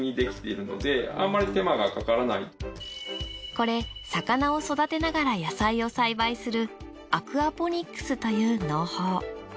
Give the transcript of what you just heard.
これ魚を育てながら野菜を栽培するアクアポニックスという農法。